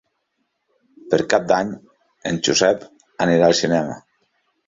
Per Cap d'Any en Josep anirà al cinema.